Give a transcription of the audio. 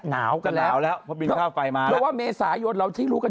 หนาวกันแล้วเพราะมีข้าวไฟมาแล้วว่าเมษายนเราที่รู้กัน